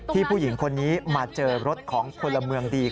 ผู้หญิงคนนี้มาเจอรถของพลเมืองดี